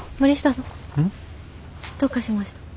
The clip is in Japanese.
どうかしました？